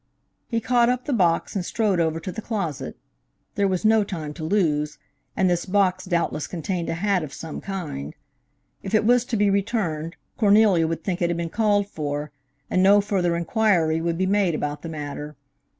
He caught up the box and strode over to the closet. There was no time to lose, and this box doubtless contained a hat of some kind. If it was to be returned, Cornelia would think it had been called for, and no further inquiry would be made about the matter.